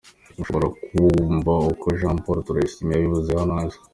Mushobora kumva uko Jean Paul Turayishimye yabivuze hano hasi: